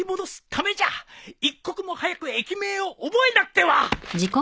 一刻も早く駅名を覚えなくては！